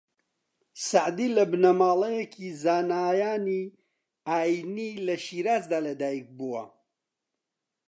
سەعدی لە بنەماڵەیەکی زانایانی ئایینی لە شیرازدا لە دایک بووە